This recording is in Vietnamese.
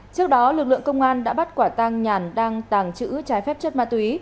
trước đó lực lượng công an đã bắt quả tang nhàn đang tàng trữ trái phép chất ma túy